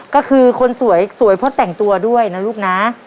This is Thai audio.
ก็คือคนสวยสวยเพราะแต่งตัวด้วยนะลูกนะ